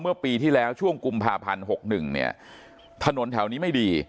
เมื่อปีที่แล้วช่วงกุมภาพันธ์๖๑เนี่ยถนนแถวนี้ไม่ดี